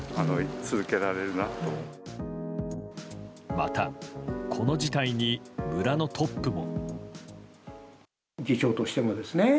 また、この事態に村のトップも。